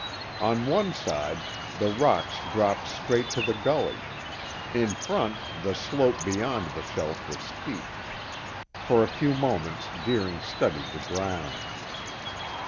On one side, the rocks dropped straight to the gully; in front, the slope beyond the shelf was steep. For a few moments Deering studied the ground.